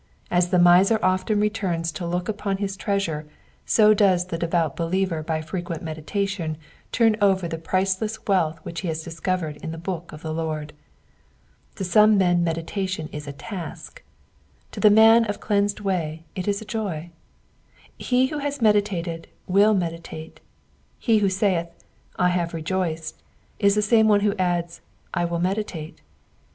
As the miser often returns to look upon his treasure, so does the devout believer by frequent meditation turn over the priceless wealth which he has discovered in the book of the Lord. To some men meditation is a task ; to the man of cleansed way it is a joy. He who has meditated will meditate ; he who salth, '' 1 have rejoiced," is the same who adds, I will meditate.